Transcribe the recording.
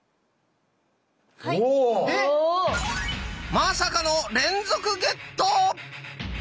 まさかの連続ゲット！